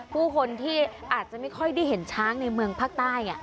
ผู้คนที่อาจจะไม่ค่อยได้เห็นช้างในเมืองภาคใต้